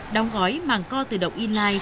đóng gói mang co tự động inline